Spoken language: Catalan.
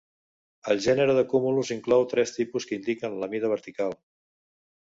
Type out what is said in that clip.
El gènere de cúmulus inclou tres tipus que indiquen la mida vertical.